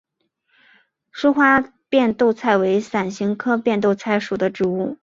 疏花变豆菜为伞形科变豆菜属的植物。